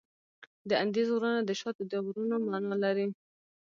د اندیز غرونه د شاتو د غرونو معنا لري.